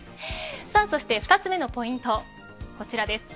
２つめのポイント、こちらです。